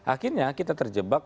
akhirnya kita terjebak